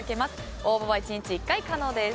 応募は１日１回可能です。